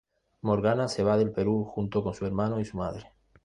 Morgana se va del Perú junto con su hermano y su madre.